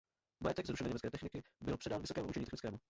Majetek zrušené německé techniky byl předán Vysokému učení technickému.